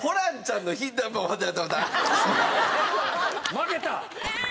負けた！